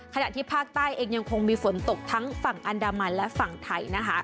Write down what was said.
ขณะที่ภาคใต้เองยังคงมีฝนตกทั้งฝั่งอันดามันและฝั่งไทยนะคะ